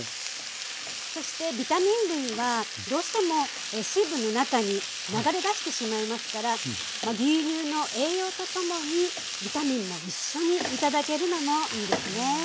そしてビタミン群はどうしても水分の中に流れ出してしまいますから牛乳の栄養とともにビタミンも一緒に頂けるのもいいですね。